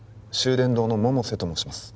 伝堂の百瀬と申します